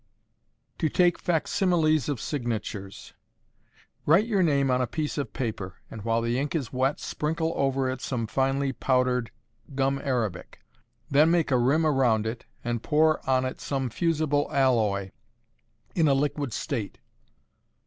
To Take Fac Similes of Signatures. Write your name on a piece of paper, and while the ink is wet sprinkle over it some finely powdered gum arabic, then make a rim round it, and pour on it some fusible alloy, in a liquid state.